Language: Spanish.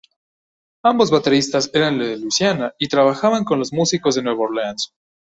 Ambos bateristas eran de Luisiana y trabajaban con los músicos de Nueva Orleans.